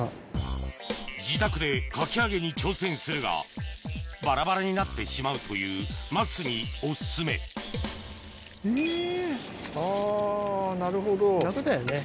自宅でかき揚げに挑戦するがバラバラになってしまうという桝にお薦めあぁなるほど。